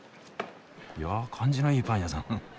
いやあ感じのいいパン屋さん。